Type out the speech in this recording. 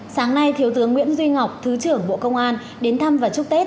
sáng nay thiếu tướng nguyễn duy ngọc thứ trưởng bộ công an đến thăm và chúc tết